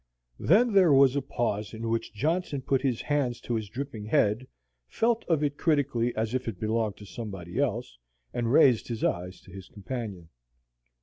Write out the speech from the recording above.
Then there was a pause in which Johnson put his hands to his dripping head, felt of it critically as if it belonged to somebody else, and raised his eyes to his companion.